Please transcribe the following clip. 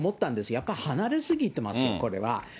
やっぱ離れすぎてます、これは。